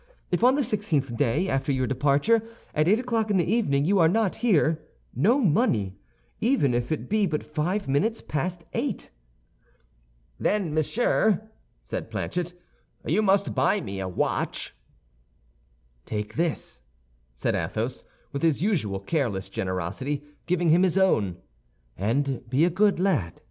If, on the sixteenth day after your departure, at eight o'clock in the evening you are not here, no money—even if it be but five minutes past eight." "Then, monsieur," said Planchet, "you must buy me a watch." "Take this," said Athos, with his usual careless generosity, giving him his own, "and be a good lad.